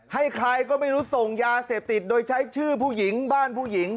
ให้ใครก็ไม่รู้ส่งยาเสพติดโดยใช้ชื่อผู้หญิงบ้านผู้หญิง